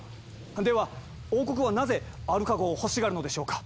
では王国はなぜアルカ号を欲しがるのでしょうか？